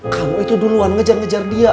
kamu itu duluan ngejar ngejar dia